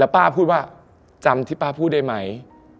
ป้าพูดว่าจำที่ป้าพูดได้ไหม